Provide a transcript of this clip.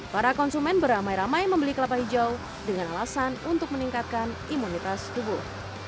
para konsumen beramai ramai membeli kelapa hijau dengan alasan untuk meningkatkan imunitas tubuh